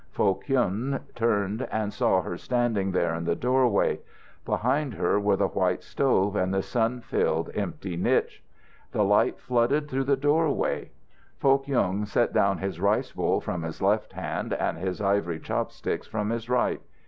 Foh Kyung turned, and saw her standing there in the doorway. Behind her were the white stove and the sun filled, empty niche. The light flooded through the doorway. Foh Kyung set down his rice bowl from his left hand and his ivory chop sticks from his right.